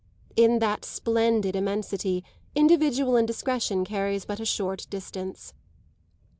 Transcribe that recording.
In that splendid immensity individual indiscretion carries but a short distance.